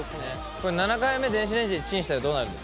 これ７回目電子レンジでチンしたらどうなるんですか？